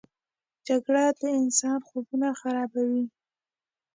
جګړه د انسان خوبونه خرابوي